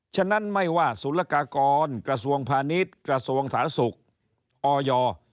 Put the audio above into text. ฉะนั้นไม่ว่าศูนยากากรกระทรวงพาณิชย์กระทรวงสาธารณสุขอย